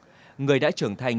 trong rừng người đã trưởng thành